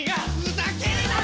ふざけるな！